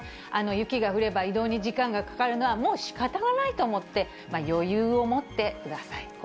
雪が降れば移動に時間がかかるのはもうしかたがないと思って、余裕を持ってください。